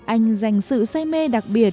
anh dành sự say mê đặc biệt